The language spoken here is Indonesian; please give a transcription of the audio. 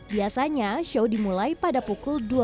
biasanya show dimulai pada pukul dua puluh tiga puluh